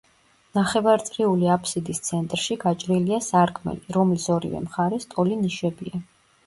ნახევარწრიული აფსიდის ცენტრში გაჭრილია სარკმელი, რომლის ორივე მხარეს ტოლი ნიშებია.